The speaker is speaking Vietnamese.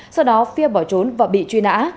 sau đó phia bỏ trốn và bị truy nã